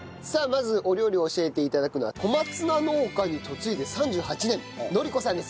まずお料理を教えて頂くのは小松菜農家に嫁いで３８年乃理子さんです。